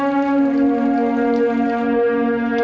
bapak udah ngepatin janji